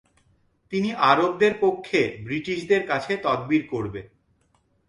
তিনি আরবদের পক্ষে ব্রিটিশদের কাছে তদবির করবে।